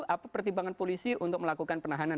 apa pertimbangan polisi untuk melakukan penahanan